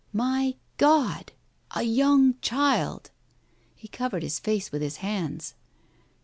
" My God ! A young child !" He covered his face with his hands.